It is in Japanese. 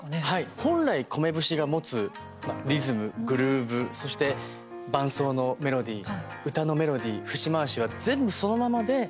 本来「米節」が持つリズムグルーブ、そして伴奏のメロディー唄のメロディー、節回しは全部そのままで。